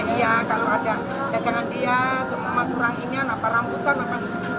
iya kalau ada dagangan dia semua kurang ingat apa rambutan apa